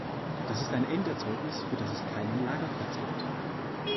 Das ist ein Enderzeugnis, für das es keinen Lagerplatz gibt.